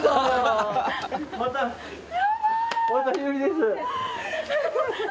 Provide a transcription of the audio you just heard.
やばい！お久しぶりです。